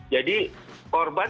jadi korban bisa minta perwakilan